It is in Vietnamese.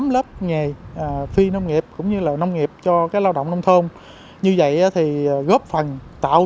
tám lớp nghề phi nông nghiệp cũng như là nông nghiệp cho cái lao động nông thôn như vậy thì góp phần tạo